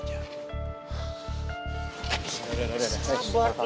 udah udah udah